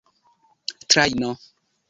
trajno